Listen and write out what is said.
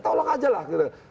tolong aja lah